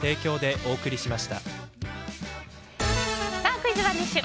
クイズＯｎｅＤｉｓｈ。